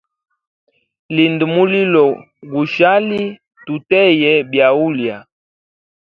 Linda mulilo gushali tuteye byaulya.